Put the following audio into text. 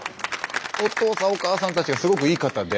おとうさんおかあさんたちがすごくいい方で。